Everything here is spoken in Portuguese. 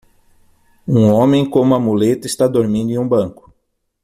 Um homem com uma muleta está dormindo em um banco.